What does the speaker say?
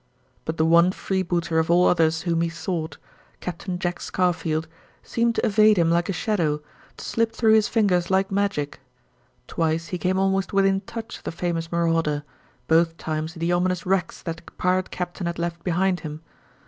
But the one freebooter of all others whom he sought Capt. Jack Scarfield seemed to evade him like a shadow, to slip through his fingers like magic. Twice he came almost within touch of the famous marauder, both times in the ominous wrecks that the pirate captain had left behind him.